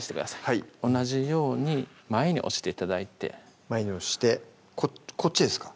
はい同じように前に押して頂いて前に押してこっちですか？